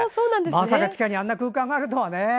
まさか地下にあんな空間があるとはね。